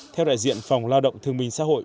theo đại diện phòng lao động thương minh xã hội